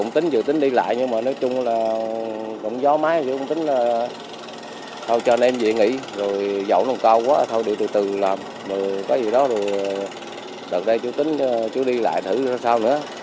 đi từ từ làm có gì đó rồi đợt đây chú tính chú đi lại thử sao nữa